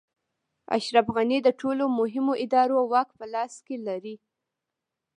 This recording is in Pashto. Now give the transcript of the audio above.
اشرف غني د ټولو مهمو ادارو واک په لاس کې لري.